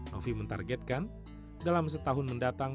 novi mentargetkan dalam setahun mendatang